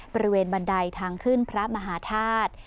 บันไดทางขึ้นพระมหาธาตุ